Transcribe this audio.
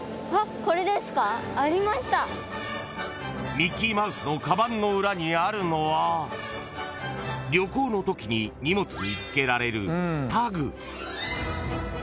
［ミッキーマウスのかばんの裏にあるのは旅行のときに荷物に付けられる］